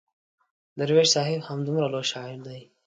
درویش صاحب همدومره لوی شاعر دی.